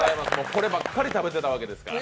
こればっかり食べてたわけですから。